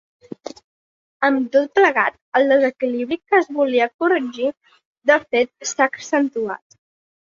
Amb tot plegat, el desequilibri que es volia corregir de fet s’ha accentuat.